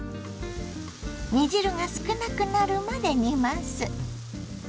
煮汁が少なくなるまで煮ます。